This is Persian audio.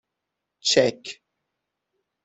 چک